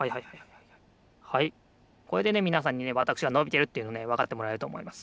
はいこれでねみなさんにねわたくしがのびてるっていうのをねわかってもらえるとおもいます。